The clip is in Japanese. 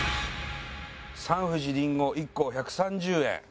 サンふじりんご１個１３０円。